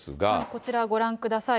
こちらご覧ください。